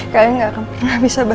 kalian gak akan pernah bisa bahagia